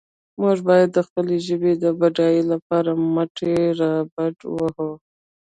موږ باید د خپلې ژبې د بډاینې لپاره مټې رابډ وهو.